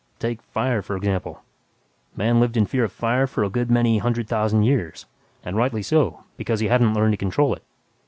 Take 'fire' for example: Man lived in fear of fire for a good many hundred thousand years and rightly so, because he hadn't learned to control it.